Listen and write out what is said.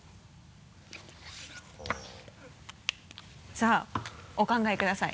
さぁお考えください。